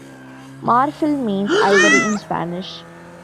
Marfil means 'Ivory', in Spanish.